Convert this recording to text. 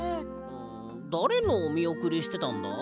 だれのおみおくりしてたんだ？